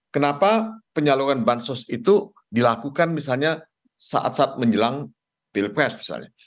kenapa penyaluran bansos itu dilakukan misalnya saat saat menjelang pilpres misalnya